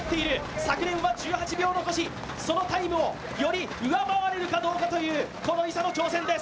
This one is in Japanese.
昨年は１８秒残し、そのタイムをより上回れるかという伊佐の挑戦です。